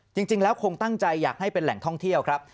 จริงแล้วคงตั้งใจอยากให้เป็นแหล่งท่องเที่ยวครับ